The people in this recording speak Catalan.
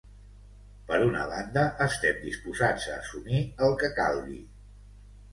Per una banda, estem disposats a assumir el que calgui.